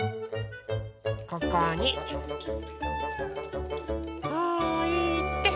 ここにおいて。